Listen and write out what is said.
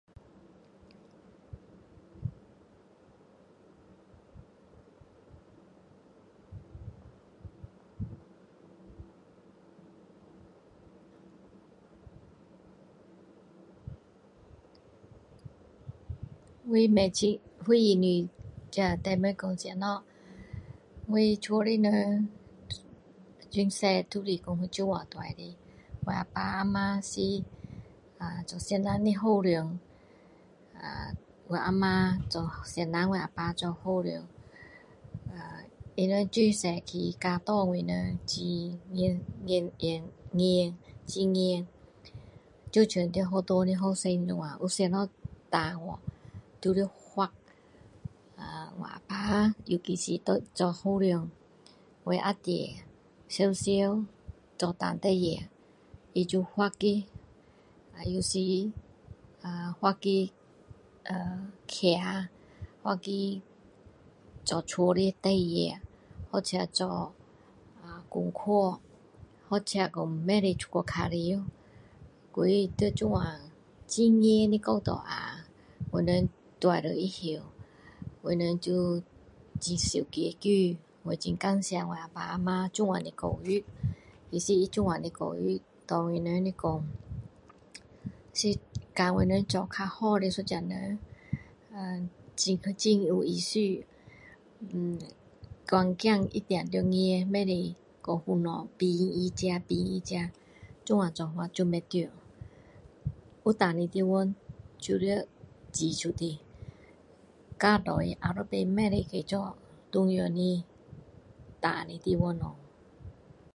我不会很明白你这题目讲什么我家的人从小都是讲福州话大的我啊爸啊妈是啊做先生校长的我啊妈做先生我啊爸做校长呃我们自小起他们教导我们很严严严很严就像在学校的学生这样有什么错掉都要罚我啊爸尤其是做校长我啊弟常常做错事情他就罚他啊有时发他啊站罚他做家里事情或者做啊功课或者不可以出去玩需要这样很严的教导我们长大以后我们就很守规矩我很感谢我啊妈这样的教育其实他这样的教育对我们来说是教我们做较好的一个人很很有意思管孩子一定要严不可以说什么都凭他自己凭他自己这样做法就不会对有错的地方就要指出来教导下一次不可以再做同样的错的地方的东西